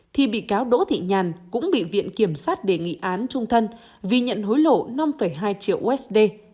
thì bị cáo đỗ thị nhàn cũng bị viện kiểm sát đề nghị án trung thân vì nhận hối lộ năm hai triệu usd